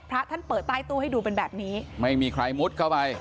พระท่านเปิดใต้ตู้ให้ดูเป็นแบบนี้ไม่มีใครมุดเข้าไป